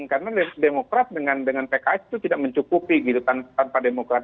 karena demokrasi dengan pks itu tidak mencukupi gitu tanpa demokrasi